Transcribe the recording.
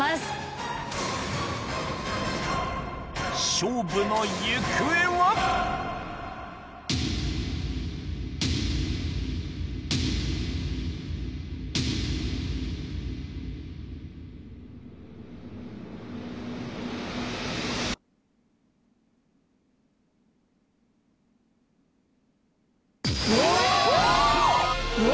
勝負の行方は⁉うわ！